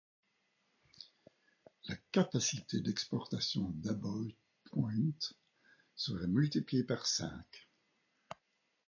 La capacité d’exportation d’Abbot Point serait multipliée par cinq.